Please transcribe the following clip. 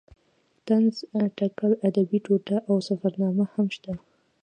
طنز تکل ادبي ټوټه او سفرنامه هم شته.